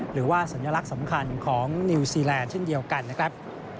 หรือว่าสัญลักษณ์สำคัญของนิวซีแลนด์เช่นเดียวกันนะครับ